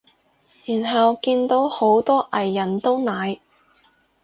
然後見到好多藝人都奶